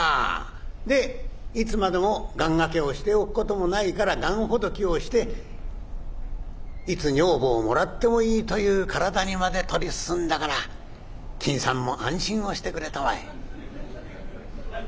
「でいつまでも願がけをしておくこともないから願ほどきをしていつ女房をもらってもいいという体にまで取り進んだから金さんも安心をしてくれたまえ」。